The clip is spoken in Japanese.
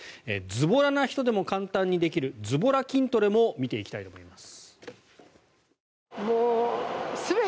ずぼらな人でも簡単にできるずぼら筋トレも見ていきたいと思います。